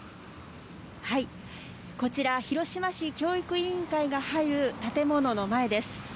広島市教育委員会が入る建物の前です。